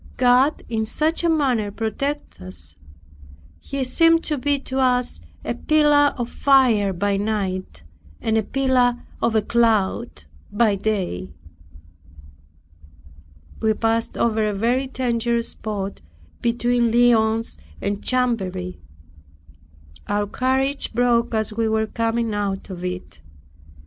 God in such a manner protected us. He seemed to be to us "a pillar of fire by night, and a pillar of a cloud by day." We passed over a very dangerous spot between Lyons and Chamberry. Our carriage broke as we were coming out of it.